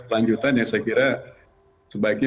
kelanjutan yang saya kira sebaiknya